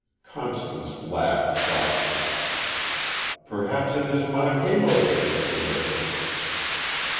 Constance laughed softly. "Perhaps it is my halo that makes the difference."